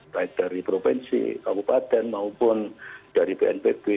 baik dari provinsi kabupaten maupun dari bnpb